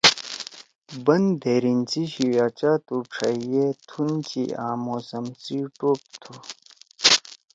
بن دھیریں سی شیوچا تُھو، ڇھئی گے تُھن چھی آں موسم سی ٹوپ تُھو!